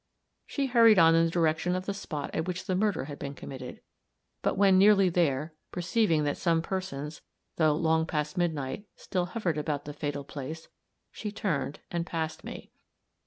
She hurried on in the direction of the spot at which the murder had been committed; but when nearly there, perceiving that some persons, though long past midnight, still hovered about the fatal place, she turned, and passed me.